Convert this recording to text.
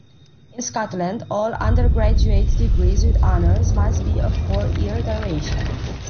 In Scotland, all undergraduate degrees with Honours must be of four-year duration.